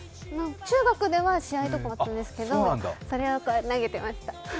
中学とかでは試合もあったんですけど投げてました。